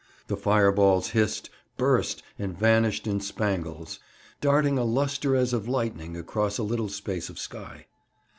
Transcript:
The fireballs hissed, burst, and vanished in spangles, darting a lustre as of lightning across a little space of sky.